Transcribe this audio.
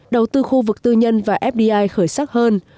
đầu tư khu vực tư nhân và fdi khởi sắc hơn